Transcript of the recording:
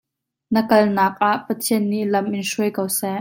Na kalnak ah Pathian nih lam in hruai ko seh.